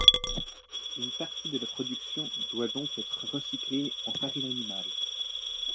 Une partie de la production doit donc être recyclée en farine animale.